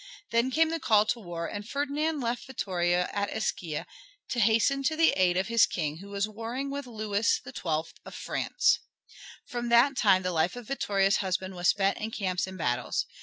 Then came the call to war, and Ferdinand left Vittoria at Ischia to hasten to the aid of his king who was warring with Louis XII of France. From that time the life of Vittoria's husband was spent in camps and battles.